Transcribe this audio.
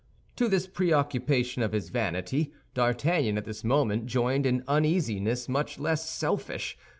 To this preoccupation of his vanity, D'Artagnan at this moment joined an uneasiness much less selfish.